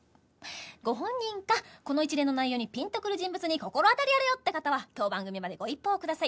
ご本人かこの一連の内容にピンとくる人物に心当たりあるよって方は当番組までご一報ください。